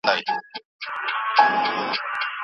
پرمختيا د ماسومانو د راتلونکي لپاره اړينه ده.